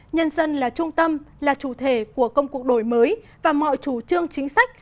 nhân dân là trung tâm là chủ thể của công cuộc đổi mới và mọi chủ trương chính sách